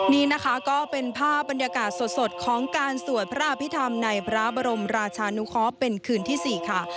นี่นะคะก็เป็นภาพบรรยากาศสดของการสวดพระอภิษฐรรมในพระบรมราชานุเคาะเป็นคืนที่๔ค่ะ